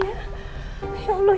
ya allah ya allah